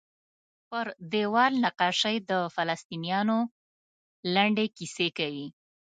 پر دیوال نقاشۍ د فلسطینیانو لنډې کیسې کوي.